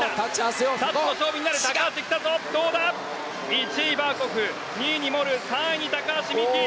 １位はバーコフ２位にモルー３位に高橋美紀。